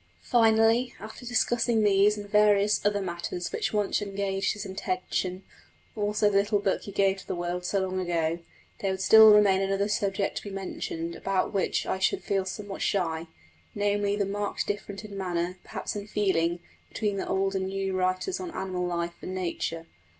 Finally, after discussing these and various other matters which once engaged his attention, also the little book he gave to the world so long ago, there would still remain another subject to be mentioned about which I should feel somewhat shy namely, the marked difference in manner, perhaps in feeling, between the old and new writers on animal life and nature.